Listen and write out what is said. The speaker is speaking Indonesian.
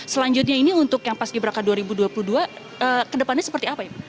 selanjutnya ini untuk yang paski braka dua ribu dua puluh dua kedepannya seperti apa ibu